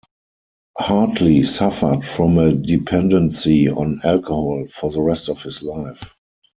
Hartley suffered from a dependency on alcohol for the rest of his life.